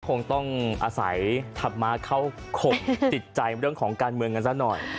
คงต้องอาศัยธรรมะเข้าข่มจิตใจเรื่องของการเมืองกันซะหน่อย